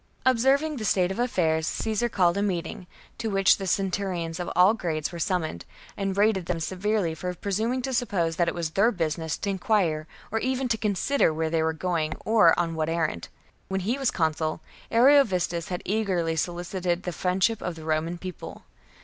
40. Observing the state of affairs, Caesar Caesar called a meeting, to which the centurions of all offices and^" grades were summoned, and rated them severely them!"^" ^ for presuming to suppose that it was their business to inquire or even to consider where they were going, or on what errand. When he was consul, Ariovistus had eagerly solicited the friendship of the Roman People.